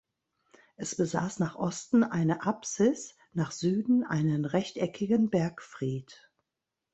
Es besaß nach Osten eine Apsis, nach Süden einen rechteckigen Bergfried.